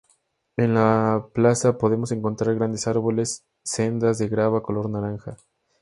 En la plaza podemos encontrar grandes árboles, sendas de grava color naranja.